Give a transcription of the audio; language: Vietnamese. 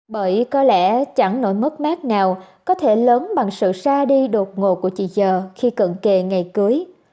bởi có lẽ chẳng nỗi mất mát nào có thể lớn bằng sự ra đi đột ngột của chị giờ khi cận kề ngày cưới